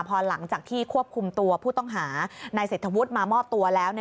พอหลังจากที่ควบคุมตัวผู้ต้องหานายเศรษฐวุฒิมามอบตัวแล้ว